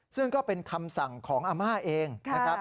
ซึ่งก็เป็นคำสั่งของอำมาเอง